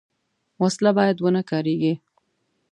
وسله باید ونهکارېږي